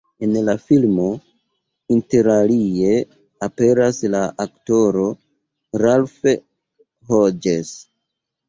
En la filmo interalie aperas la aktoro Ralph Hodges.